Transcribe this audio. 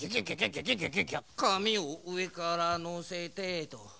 かみをうえからのせてと。